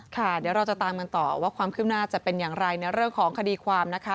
เดี๋ยวเราจะตามกันต่อว่าความคืบหน้าจะเป็นอย่างไรในเรื่องของคดีความนะคะ